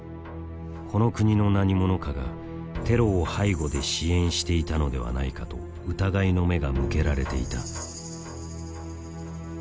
この国の何者かがテロを背後で支援していたのではないかと疑いの目が向けられていた。